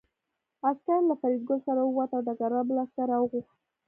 عسکر له فریدګل سره ووت او ډګروال بل عسکر راوغوښت